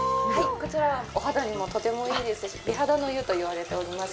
こちらは、お肌にもとてもいいですし美肌の湯と言われております。